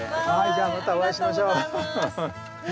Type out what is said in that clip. じゃあまたお会いしましょう。